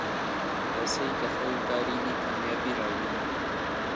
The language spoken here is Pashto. رسۍ که ښه وکارېږي، کامیابي راوړي.